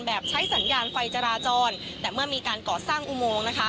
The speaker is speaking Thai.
ใช้สัญญาณไฟจราจรแต่เมื่อมีการก่อสร้างอุโมงนะคะ